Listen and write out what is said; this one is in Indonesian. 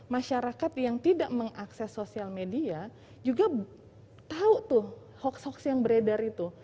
masyarakat yang tidak mengakses sosial media juga tahu tuh hoax hoax yang beredar itu